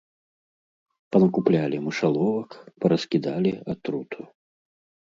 Панакуплялі мышаловак, параскідалі атруту.